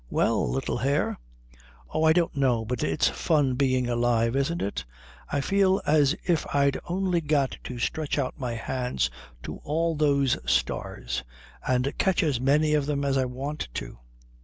"Well, little hare?" "Oh, I don't know but it's fun being alive, isn't it? I feel as if I'd only got to stretch up my hands to all those stars and catch as many of them as I want to."